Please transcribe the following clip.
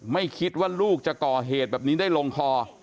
ไม่คิดว่าลูกจะก่อเหตุแบบนี้ได้ลงคอ